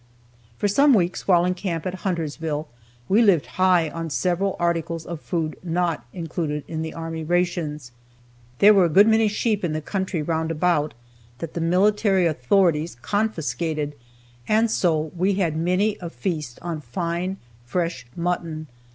For some weeks while in camp at Huntersville, we lived high on several articles of food not included in the army rations. There were a good many sheep in the country round about that the military authorities confiscated, and so we had many a feast on fine, fresh mutton.